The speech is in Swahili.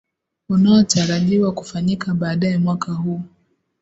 unaotarajiwa kufanyika baadaye mwaka huu